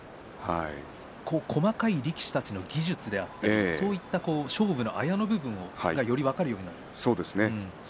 細かい力士たちの技術であったり勝負のあやの部分がより分かるようになりましたね。